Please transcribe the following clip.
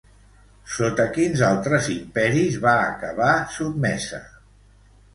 Sota quins altres imperis va acabar sotmesa?